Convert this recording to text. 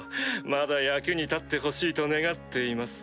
まだ役に立ってほしいと願っています。